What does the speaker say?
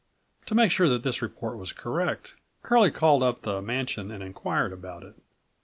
To make sure that this report was correct, Curlie called up the mansion and inquired about it.